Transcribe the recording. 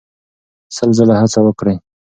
سل ځله هڅه وکړئ.